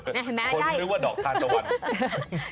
คนรู้ว่าดอกทานตะวัน